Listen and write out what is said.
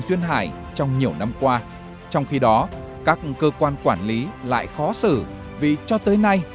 duyên hải trong nhiều năm qua trong khi đó các cơ quan quản lý lại khó xử vì cho tới nay